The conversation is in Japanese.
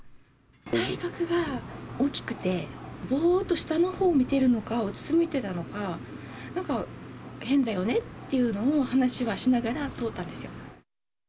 体格が大きくて、ぼーっと下のほう見てるのか、うつむいてたのか、なんか変だよねっていうのを話はしながら、通ったんですよ。